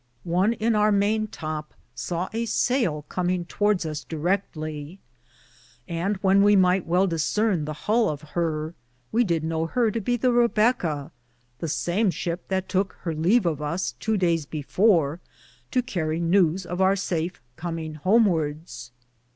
97 one in our mayntope saw a saille Cominge towardes us direckly ; and when we myghte well desarne the hull of her, we did know her to be the Rebecka, the same shipe that touke her leve of us tow dayes before to carrie newes of our safe cominge homwards.